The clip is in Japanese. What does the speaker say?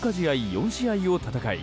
４試合を戦い